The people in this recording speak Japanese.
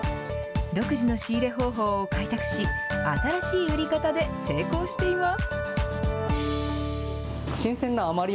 独自の仕入れ方法を開拓し、新しいやり方で成功しています。